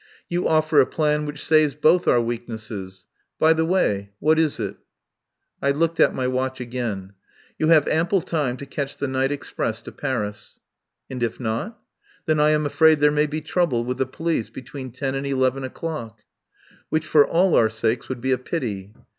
You offer a plan which saves both our weaknesses. By the way, what is it?" I looked at my watch again. "You have ample time to catch the night express to Paris." "And if not?" "Then I am afraid there may be trouble with the police between ten and eleven o'clock." "Which for all our sakes would be a pity.